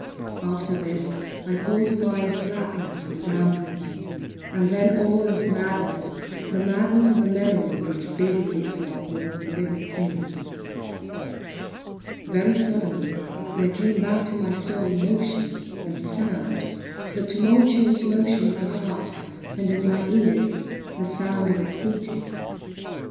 After this I call to mind flatness and dampness; and then all is madness—the madness of a memory which busies itself among forbidden things. Very suddenly there came back to my soul motion and sound—the tumultuous motion of the heart, and, in my ears, the sound of its beating.